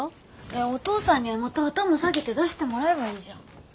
えお父さんにはまた頭下げて出してもらえばいいじゃん。